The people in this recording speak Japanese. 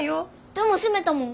でも閉めたもん。